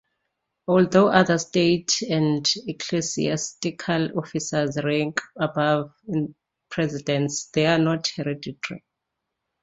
Although other state and ecclesiastical officers rank above in precedence, they are not hereditary.